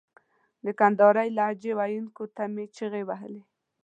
د کندهارۍ لهجې ویونکو ته مې چیغې وهلې.